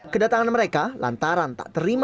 kedatangan mereka lantaran tak terima